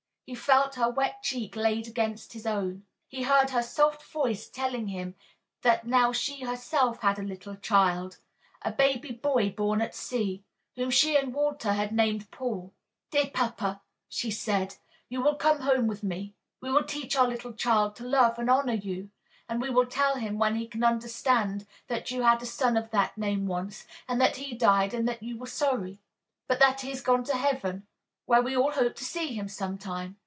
He felt her wet cheek laid against his own. He heard her soft voice telling him that now she herself had a little child a baby boy born at sea whom she and Walter had named Paul. "Dear papa," she said, "you will come home with me. We will teach our little child to love and honor you, and we will tell him when he can understand that you had a son of that name once, and that he died and that you were sorry; but that he is gone to Heaven, where we all hope to see him sometime.